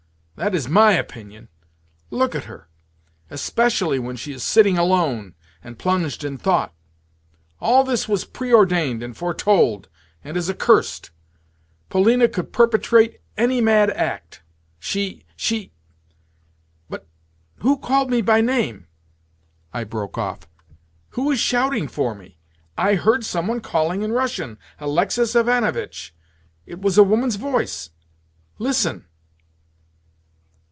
That is my opinion. Look at her—especially when she is sitting alone, and plunged in thought. All this was pre ordained and foretold, and is accursed. Polina could perpetrate any mad act. She—she—But who called me by name?" I broke off. "Who is shouting for me? I heard some one calling in Russian, 'Alexis Ivanovitch!' It was a woman's voice. Listen!"